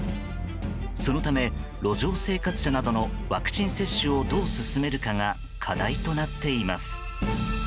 そのため、路上生活者などのワクチン接種をどう進めるかが課題となっています。